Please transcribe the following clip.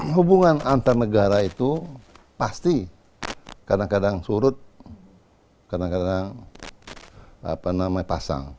hubungan antar negara itu pasti kadang kadang surut kadang kadang pasang